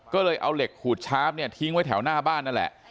ก็เลยเอาเหล็กขูดชาร์ฟเนี่ยทิ้งไว้แถวหน้าบ้านนั่นแหละ